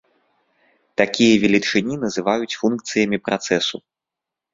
Такія велічыні называюць функцыямі працэсу.